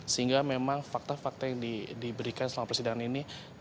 sehingga memang fakta fakta yang diberikan selama persidangan ini